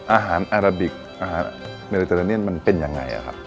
อาหารอาราบิกอาหารเมริเตอร์เรเนียนมันเป็นยังไงนะครับ